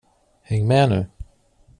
Häng med nu.